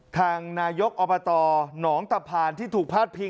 ทางนายกอบราตอน้องตะพานของท่านที่ถูกพาดพิง